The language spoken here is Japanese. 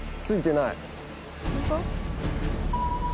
ついてない。